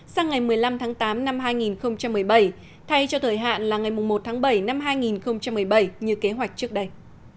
sang ngày một mươi năm tháng tám năm hai nghìn một mươi bảy thay cho thời hạn là ngày một tháng bảy năm hai nghìn một mươi bảy như kế hoạch trước đây